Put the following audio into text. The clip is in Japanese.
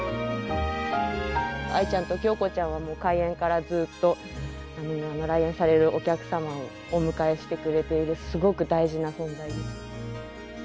アイちゃんとキョウコちゃんはもう開園からずっと来園されるお客様をお迎えしてくれているすごく大事な存在です。